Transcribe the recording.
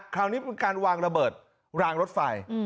คราวนี้เป็นการวางระเบิดรางรถไฟ